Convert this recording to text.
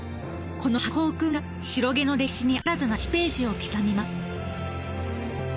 このハクホウクンが白毛の歴史に新たな１ページを刻みます。